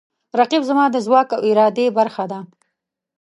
رقیب زما د ځواک او ارادې برخه ده